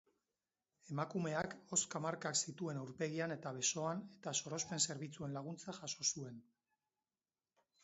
Emakumeak hozka markak zituen aurpegian eta besoan eta sorospen zerbitzuen laguntza jaso zuen.